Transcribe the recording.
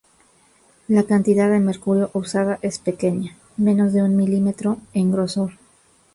La cantidad de mercurio usada es pequeña, menos de un milímetro en grosor.